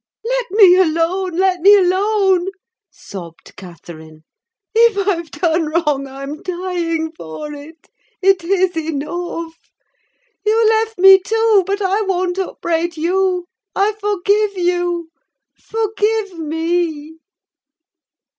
"Let me alone. Let me alone," sobbed Catherine. "If I've done wrong, I'm dying for it. It is enough! You left me too: but I won't upbraid you! I forgive you. Forgive me!"